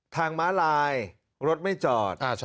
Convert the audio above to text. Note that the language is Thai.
ม้าลายรถไม่จอด